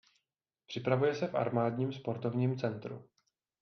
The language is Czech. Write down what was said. Připravuje se v armádním sportovním centru.